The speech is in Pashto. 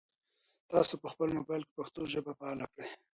تاسو په خپل موبایل کې پښتو ژبه فعاله کړئ.